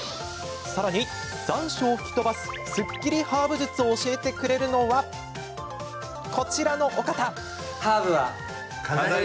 さらに、残暑を吹き飛ばすすっきりハーブ術を教えてくれるのは、こちらのお方。